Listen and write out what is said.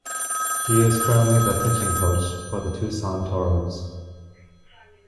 He is currently the pitching coach for the Tucson Toros.